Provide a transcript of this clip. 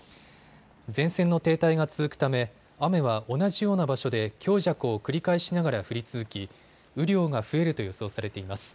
前線の停滞が続くため雨は同じような場所で強弱を繰り返しながら降り続き雨量が増えると予想されています。